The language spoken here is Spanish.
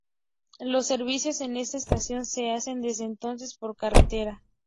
Los servicios en esta estación se hacen, desde entonces, por carretera.